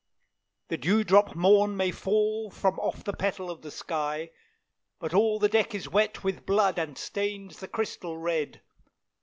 "The dewdrop morn may fall from off the petal of the sky, But all the deck is wet with blood and stains the crystal red.